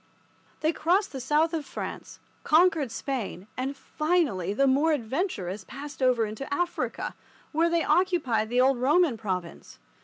They crossed the south of France, conquered Spain, and, finally, the more adventurous passed over into Africa, where they occupied the old Roman province.